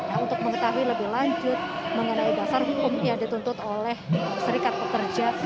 nah untuk mengetahui lebih lanjut mengenai dasar hukum yang dituntut oleh serikat pekerja